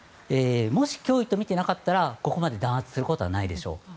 もし、脅威とみていなければここまで弾圧することはないでしょう。